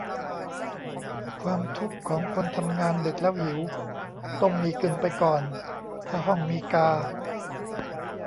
ความทุกข์ของคนทำงานดึกแล้วหิว ต้มหมี่กึ่งไปก่อน ถ้าห้องมีกา